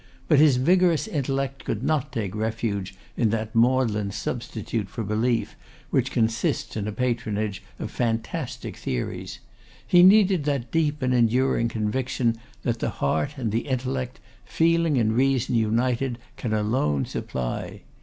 But his vigorous intellect could not take refuge in that maudlin substitute for belief which consists in a patronage of fantastic theories. He needed that deep and enduring conviction that the heart and the intellect, feeling and reason united, can alone supply.